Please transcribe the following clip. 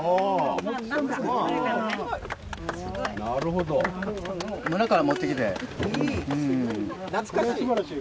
・わぁすごい・・なるほど・村から持ってきて。